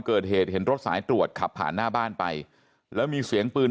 เกิดเหตุเห็นรถสายตรวจขับผ่านหน้าบ้านไปแล้วมีเสียงปืน